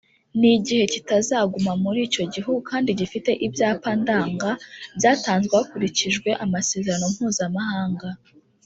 ni igihe kitazaguma muri icyo gihugu kandi gifite Ibyapa ndanga byatanzwe hakurikijwe amasezerano mpuzamahanga